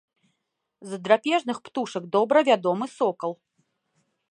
З драпежных птушак добра вядомы сокал.